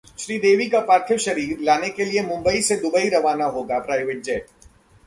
श्रीदेवी का पार्थिव शरीर लाने के लिए मुंबई से दुबई रवाना होगा प्राइवेट जेट